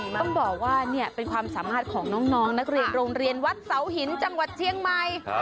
ต้องบอกว่าเป็นความสามารถของน้องนักเรียนโรงเรียนวัดเสาหินจังหวัดเชียงใหม่